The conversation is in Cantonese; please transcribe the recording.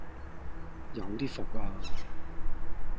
有啲伏啊